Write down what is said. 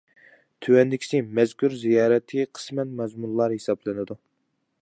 تۆۋەندىكىسى مەزكۇر زىيارەتتىكى قىسمەن مەزمۇنلار ھېسابلىنىدۇ.